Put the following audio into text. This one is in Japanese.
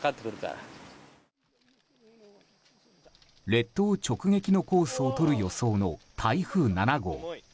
列島直撃のコースをとる予想の台風７号。